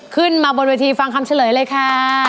ขึ้นมาบนเวทีฟังคำเฉลยเลยค่ะ